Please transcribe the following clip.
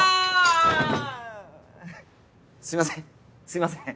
すいません。